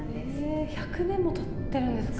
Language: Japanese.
え１００年もたってるんですか？